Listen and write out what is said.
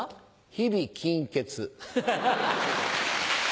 日々金欠。